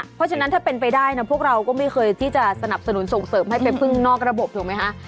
เพราะฉะนั้นถ้าเป็นไปได้นะพวกเราก็ไม่เคยที่จะสนับสนุนส่งเสริมให้ไปพึ่งนอกระบบถูกไหมคะ